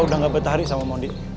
gue udah ga bertarik sama mondi